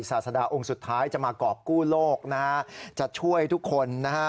ศาสดาองค์สุดท้ายจะมากรอบกู้โลกนะฮะจะช่วยทุกคนนะฮะ